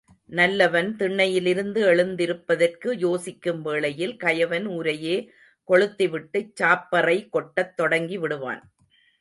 நல்லவன் திண்ணையிலிருந்து எழுந்திருப்பதற்கு யோசிக்கும் வேளையில் கயவன் ஊரையே கொளுத்திவிட்டுச் சாப்பறை கொட்டத் தொடங்கிவிடுவான்.